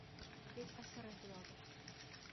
— Петька сырен кудалтыш.